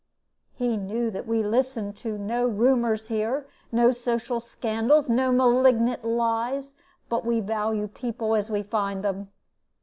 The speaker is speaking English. He knew that we listen to no rumors here, no social scandals, or malignant lies; but we value people as we find them.